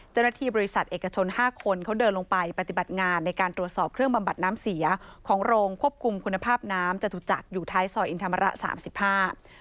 เจ้าหน้าที่บริษัทเอกชนห้าคนเขาเดินลงไปปฏิบัติงานในการตรวจสอบเครื่องบำบัดน้ำเสียของโรงควบคุมคุณภาพน้ำจตุจักรอยู่ท้ายซอยอินธรรมระสามสิบห้า